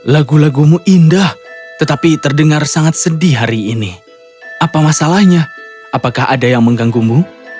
lagu lagumu indah tetapi terdengar sangat sedih hari ini apa masalahnya apakah ada yang mengganggumu